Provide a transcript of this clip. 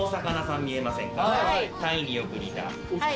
タイによく似た。